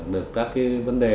được các cái vấn đề